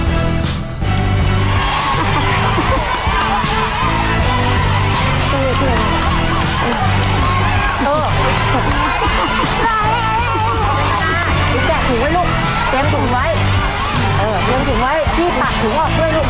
แกะถุงไว้ลูกเตรียมถุงไว้เออเตรียมถุงไว้พี่ปากถุงออกด้วยลูก